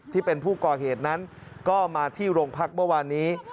ที่เป็นผู้ก่อเหตุนั้นก็มาที่โรงพักเมื่อวานนี้